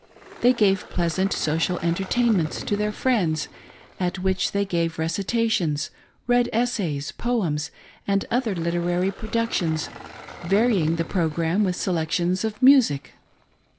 They gave pleasant social enter tainments to their friends at which they gave recitations, read esSays, poems, and other literary productions, vary ing' the programme with selections of music.